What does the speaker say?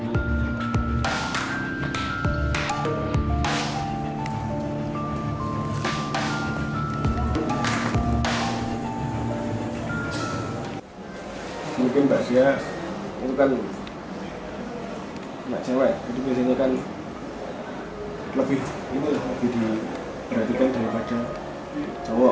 mungkin mbak zia itu kan anak cewek jadi biasanya kan lebih diperhatikan daripada cowok